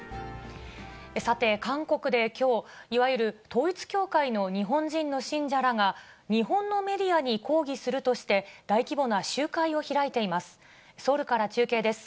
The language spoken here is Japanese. さて、韓国できょう、いわゆる統一教会の日本人の信者らが、日本のメディアに抗議するとして、大規模な集会を開いています。